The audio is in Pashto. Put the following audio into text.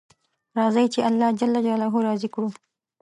راځئ چې الله جل جلاله راضي کړو